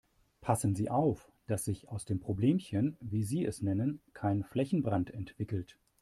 Passen Sie auf, dass sich aus dem Problemchen, wie Sie es nennen, kein Flächenbrand entwickelt.